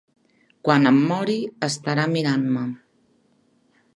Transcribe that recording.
Quan em mori, estarà mirant-me.